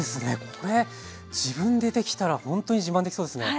これ自分でできたらほんとに自慢できそうですね。